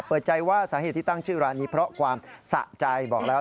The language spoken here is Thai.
เอาฟังเสียงพี่เขาอีกหน่อยครับ